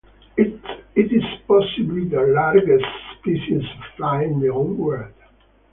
It is possibly the largest species of fly in the Old World.